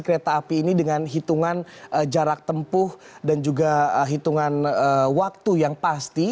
kereta api ini dengan hitungan jarak tempuh dan juga hitungan waktu yang pasti